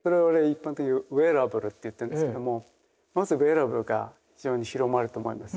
一般的に「ウェアラブル」って言ってるんですけどもまずウェアラブルが非常に広まると思います。